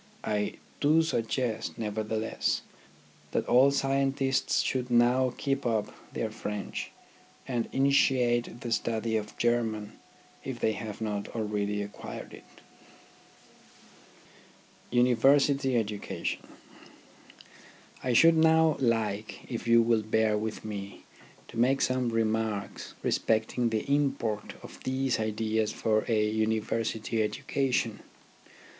I do suggest, nevertheless, that all scientists should now keep up their French, and initiate the study of German if they have not already acquired it. UNIVERSITY EDUCATION I should now like, if you will bear with me, to make some remarks respecting the import of these ideas for a University education.